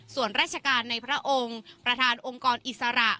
ส่วนราชการในพระองค์ประธานองค์กรอิสระ